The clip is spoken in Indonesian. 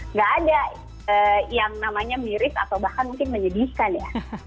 nggak ada yang namanya mirip atau bahkan mungkin menyedihkan ya